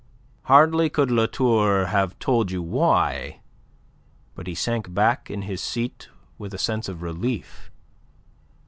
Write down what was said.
Hardly could La Tour have told you why, but he sank back in his seat with a sense of relief.